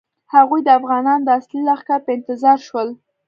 هغوی د افغانانو د اصلي لښکر په انتظار شول.